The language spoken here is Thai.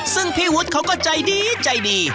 ซึ่งพี่วุฒิเขาก็ใจดีใจดี